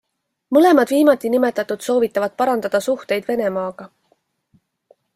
Mõlemad viimatinimetatud soovitavad parandada suhteid Venemaaga.